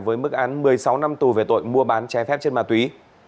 với mức án một mươi sáu năm tù về tội mua bán trái phép chất ma túy